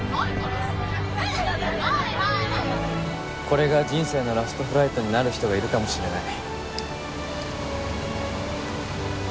これが人生のラストフライトになる人がいるかもしれない。